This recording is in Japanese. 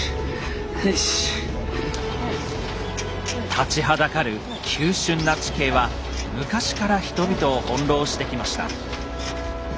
立ちはだかる急しゅんな地形は昔から人々を翻弄してきました。